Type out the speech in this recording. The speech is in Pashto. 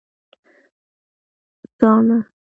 🦩زاڼه